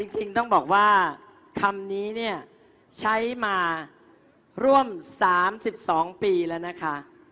จริงต้องบอกว่าคำนี้เนี่ยใช้มาร่วม๓๒ปีแล้วนะคะ